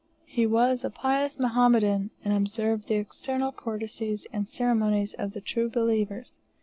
He was a pious Mohammedan, and observed the external courtesies and ceremonies of the true believers.